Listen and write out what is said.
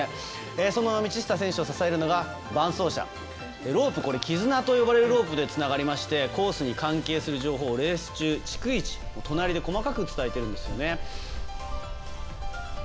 そんな道下選手を支えるのが伴走者きずなと呼ばれるロープでつながれましてコースに関係する情報をレース中、逐一隣で細かく伝えているんですよね。